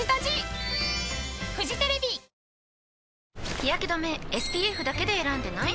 日やけ止めＳＰＦだけで選んでない？